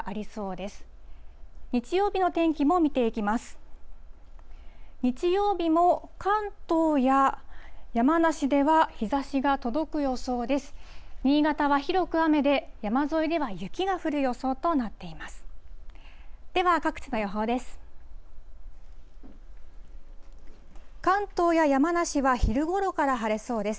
では、各地の予報です。